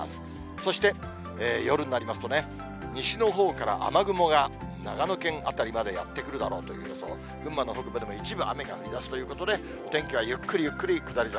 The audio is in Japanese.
そして夜になりますとね、西のほうから雨雲が、長野県辺りまでやって来るだろうという予想、群馬の北部でも一部雨が降りだすということで、お天気はゆっくりゆっくり下り坂。